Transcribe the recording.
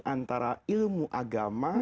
antara ilmu agama